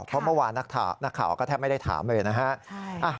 เพราะเมื่อวานนักข่าวก็แทบไม่ได้ถามเลยนะฮะ